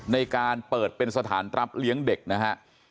ในการเปิดเป็นสถานรับเลี้ยงเด็กนะฮะ